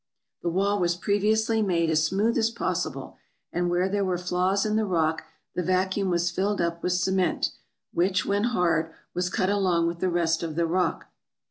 The wall was previously made as smooth as possible, and where there were flaws in the rock the vacuum was filled up with cement, which, when hard, was cut along with the rest of the rock.